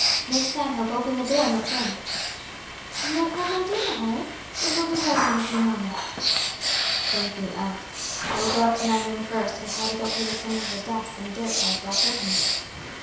Miss Stanhope opened the door and looked in. "You have had no dinner, Horace. It will be ready in a few moments." "Thank you, aunt. I will go up to my room first and try to get rid of some of the dust and dirt I have brought with me."